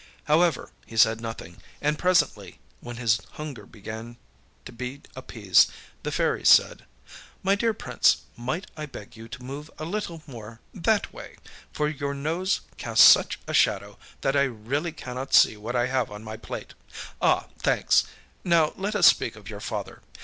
However, he said nothing, and presently, when his hunger began to be appeased, the Fairy said: âMy dear Prince, might I beg you to move a little more that way, for your nose casts such a shadow that I really cannot see what I have on my plate. Ah! thanks. Now let us speak of your father.